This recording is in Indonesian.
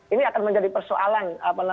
ini akan menjadi persoalan